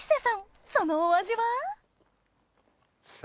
そのお味は？